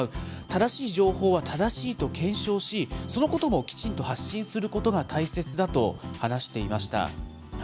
正しい情報は正しいと検証し、そのこともきちんと発信することが大切だと話していました。